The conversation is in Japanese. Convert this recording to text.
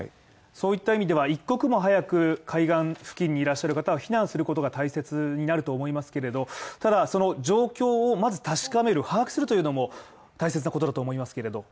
そういった意味では一刻も早く海岸付近にいらっしゃる方を避難することが大切になると思いますけれど、ただその状況をまず確かめる把握するというのも大切なことだと思いますけれど。